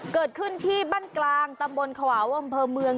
เกิดขึ้นที่บ้านกลางตำบลขวาวอำเภอเมือง